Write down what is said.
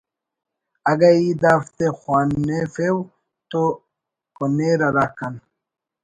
اگہ ای دافتے خوانفو تو کنیر ہراکان